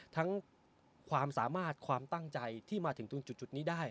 ทั้งความสามารถความตั้งใจที่มาถึงตรงจุดนี้ได้